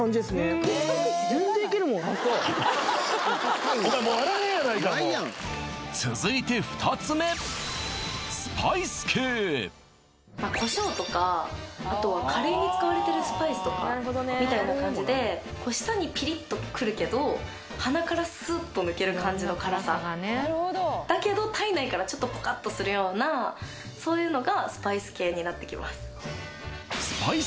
全然いけるもんあっそう続いて２つ目胡椒とかあとはカレーに使われてるスパイスとかみたいな感じで舌にピリッとくるけど鼻からすっと抜ける感じの辛さだけど体内からちょっとポカッとするようなそういうのがスパイス系になってきます